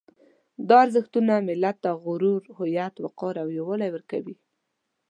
دا ارزښتونه ملت ته غرور، هویت، وقار او یووالی ورکوي.